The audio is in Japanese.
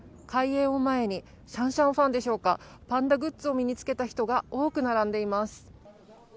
開園を前にシャンシャンファンでしょうか、パンダグッズを身につけた人が多く並んでいます。